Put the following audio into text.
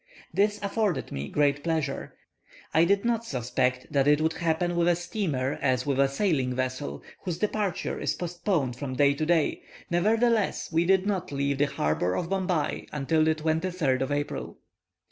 This afforded me great pleasure I did not suspect that it would happen with a steamer as with a sailing vessel, whose departure is postponed from day to day; nevertheless, we did not leave the harbour of Bombay until the 23rd of April.